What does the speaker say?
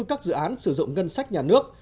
các dự án sử dụng ngân sách nhà nước